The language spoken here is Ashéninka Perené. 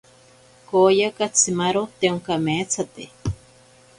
Kooya katsimaro te onkameetsate.